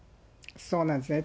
そうなんですね。